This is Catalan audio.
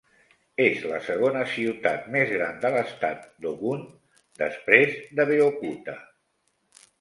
És la segona ciutat més gran de l'estat d'Ogun després d'Abeokuta.